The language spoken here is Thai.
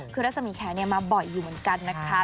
คือรัศมีแขนมาบ่อยอยู่เหมือนกันนะคะ